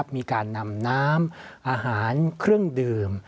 มีการนำน้ำอาหารเครื่องดื่ม